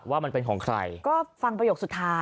ว่ามันเป็นของใครก็ฟังประโยคสุดท้าย